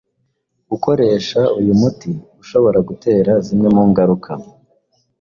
Gukoresha uyu muti ushobora gutera zimwe mu ngaruka